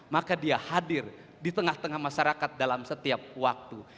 maka dia hadir di tengah tengah masyarakat dalam setiap waktu